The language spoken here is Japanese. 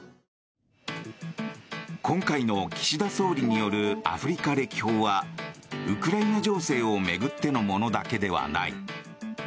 今回の岸田総理によるアフリカ歴訪はウクライナ情勢を巡ってのものだけではない。